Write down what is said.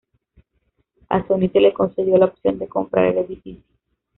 A Sony se le concedió la opción de comprar el edificio.